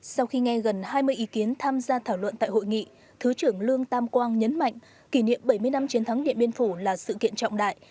sau khi nghe gần hai mươi ý kiến tham gia thảo luận tại hội nghị thứ trưởng lương tam quang nhấn mạnh kỷ niệm bảy mươi năm chiến thắng điện biên phủ là sự kiện trọng đại